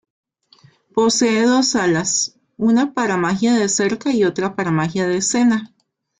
Posee dos salas, una para magia de cerca y otra para magia de escena.